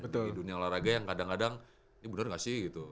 di dunia olahraga yang kadang kadang ini bener gak sih gitu